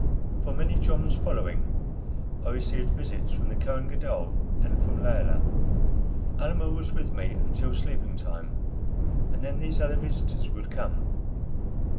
For many joms following I received visits from the Kohen Gadol and from Layelah. Almah was with me until sleeping time, and then these other visitors would come.